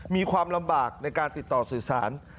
มีความลำบากในการติดต่อสื่อสาร